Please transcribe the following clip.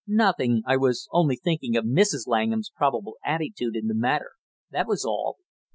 "Nothing, I was only thinking of Mrs. Langham's probable attitude in the matter, that was all."